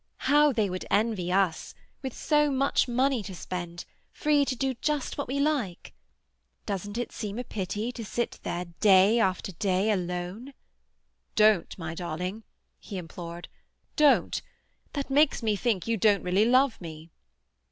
How they would envy us, with so much money to spend, free to do just what we like! Doesn't it seem a pity to sit there day after day alone—" "Don't, my darling!" he implored. "Don't! That makes me think you don't really love me."